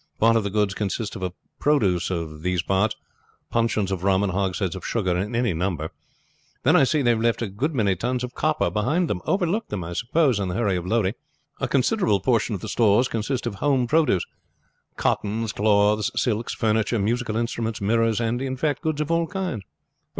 Part of the goods consist of produce of these parts puncheons of rum and hogsheads of sugar in any number. Then I see they have left a good many tons of copper behind them; overlooked them, I suppose, in the hurry of loading. A considerable portion of the stores consist of home produce cottons, cloths, silks, furniture, musical instruments, mirrors, and, in fact, goods of all kinds."